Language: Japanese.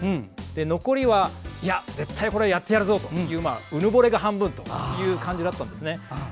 残りはいや、絶対これをやってやるぞといううぬぼれが半分という感じだったんですね。